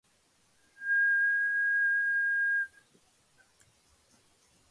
The rock sparrow's food is mainly seeds with some insects.